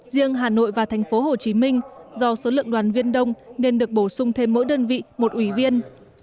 riêng hà nội và thành phố hồ chí minh do số lượng đoàn viên đông nên được bổ sung thêm mỗi đơn vị một ủy viên